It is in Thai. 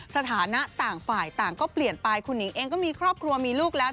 สถานะต่างฝ่ายต่างก็เปลี่ยนไปคุณหิงเองก็มีครอบครัวมีลูกแล้ว